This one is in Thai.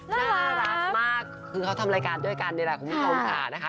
น่ารักมากคือเขาทำรายการด้วยกันนี่แหละคุณผู้ชมค่ะนะคะ